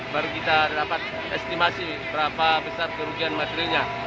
baru kita dapat estimasi berapa besar kerugian materinya